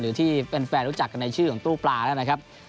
หรือที่เป็นแฟนรู้จักกันในชื่อของตู้ปลาแล้วนะครับ